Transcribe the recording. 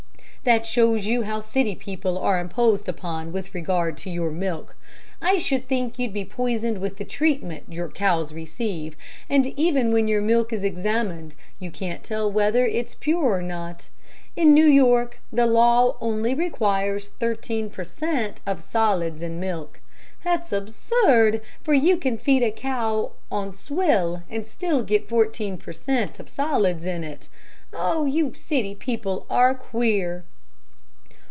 "That shows how you city people are imposed upon with regard to your milk. I should think you'd be poisoned with the treatment your cows receive, and even when your milk is examined you can't tell whether it is pure or not. In New York the law only requires thirteen per cent. of solids in milk. That's absurd, for you can feed a cow on swill and still get fourteen per cent. of solids in it. Oh! you city people are queer."